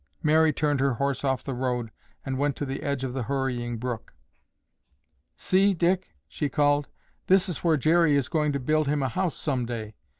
Mary turned her horse off the road and went to the edge of the hurrying brook. "See, Dick," she called, "this is where Jerry is going to build him a house some day.